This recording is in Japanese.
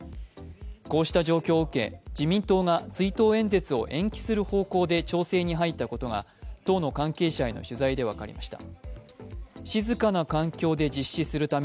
こうした状況を受け自民党が追悼演説を延期する方向で調整に入ったことが党の関係者への取材で分かりました。